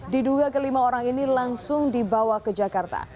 diduga ke lima orang ini langsung dibawa ke jakarta